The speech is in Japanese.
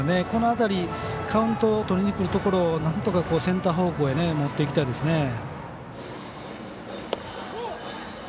この辺り、カウントを取りに来るところをなんとかセンター方向へ持っていきたいですね。